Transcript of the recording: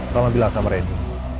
selama bila sama randy